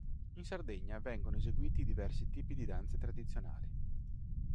In Sardegna vengono eseguiti diversi tipi di danze tradizionali.